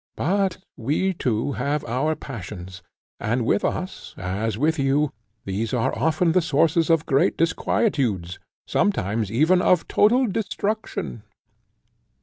But we, too, have our passions; and with us, as with you, these are often the sources of great disquietudes, sometimes even of total destruction.